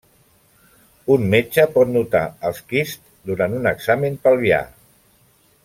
Un metge pot notar els quists durant un examen pelvià.